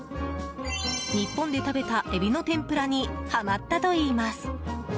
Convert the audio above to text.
日本で食べたエビの天ぷらにはまったといいます。